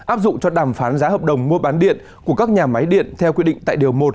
áp dụng cho đàm phán giá hợp đồng mua bán điện của các nhà máy điện theo quy định tại điều một